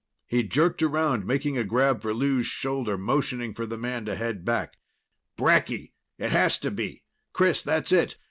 He jerked around, making a grab for Lou's shoulder, motioning for the man to head back. "Bracky it has to be! Chris, that's it.